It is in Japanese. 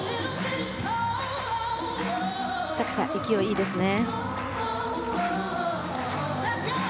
高さ、勢いいいですね。